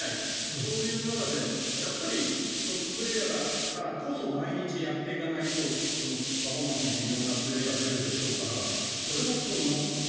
そういう中で、やっぱりトッププレーヤーだからこそ毎日やっていかないとパフォーマンスに微妙なずれが出るでしょうからそれが納得